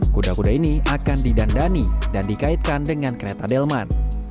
kuda kuda ini akan didandani dan dikaitkan dengan kereta delman